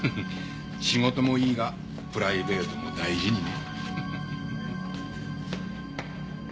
仕事もいいがプライベートも大事にね。